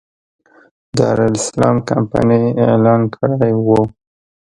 دارالسلام کمپنۍ اعلان کړی و.